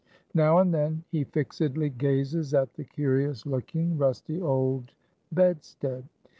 Now and then he fixedly gazes at the curious looking, rusty old bedstead.